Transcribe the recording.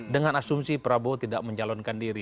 dengan asumsi prabowo tidak mencalonkan diri